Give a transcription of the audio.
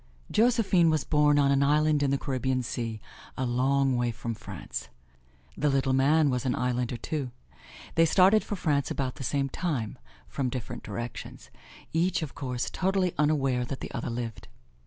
Josephine was born on an island in the Caribbean Sea, a long way from France. The Little Man was an islander, too. They started for France about the same time, from different directions each, of course, totally unaware that the other lived.